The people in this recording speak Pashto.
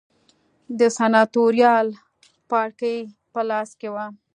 د سناتوریال پاړکي په لاس کې و